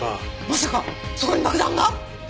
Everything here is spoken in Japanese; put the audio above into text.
まさかそこに爆弾が！？